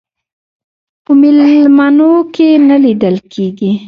په میلمنو کې نه لیدل کېږي.